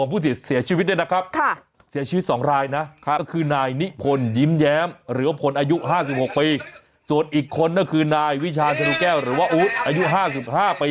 ข้อมูลเสียชีวิตด้วยนะครับ